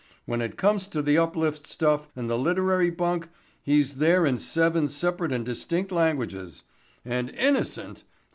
When it comes to the uplift stuff and the literary bunk he's there in seven separate and distinct languages. And innocent!